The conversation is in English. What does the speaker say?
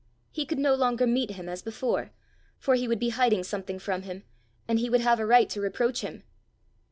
He could no longer meet him as before, for he would be hiding something from him, and he would have a right to reproach him!